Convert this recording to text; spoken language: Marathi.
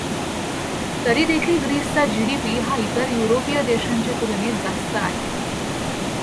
तरी देखील ग्रीसचा जी. डी. पी हा इतर युरोपीय देशांच्या तुलनेत जास्त आहे.